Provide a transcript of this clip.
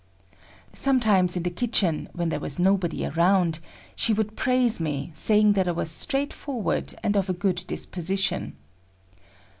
Sometimes in the kitchen, when there was nobody around, she would praise me saying that I was straightforward and of a good disposition.